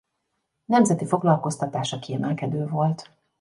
Nemzeti foglalkoztatása kiemelkedő volt.